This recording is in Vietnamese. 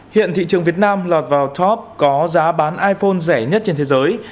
hiện thị trường việt nam lọt vào top có giá bán iphone rẻ nhất trên thế giới